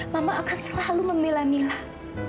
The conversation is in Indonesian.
mama akan selalu membela milah